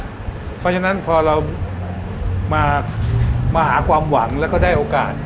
เพราะฉะนั้นพอเรามาหาความหวังแล้วก็ได้โอกาส